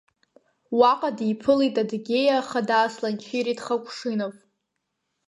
Уаҟа уи диԥылеит Адыгеиа Ахада Асланчири Тхакәшинов.